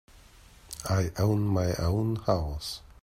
I own my own house.